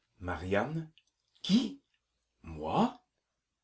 MARIANE. Qui? Moi?